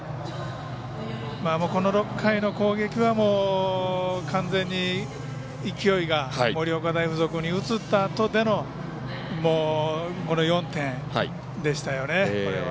６回の攻撃は完全に、勢いが盛岡大付属に移ったあとでの４点でしたよね。